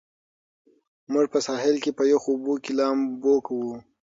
موږ په ساحل کې په یخو اوبو کې لامبو کوو.